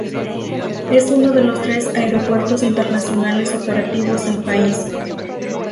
Es uno de los tres aeropuertos internacionales operativos del país.